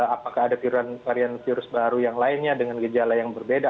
apakah ada varian virus baru yang lainnya dengan gejala yang berbeda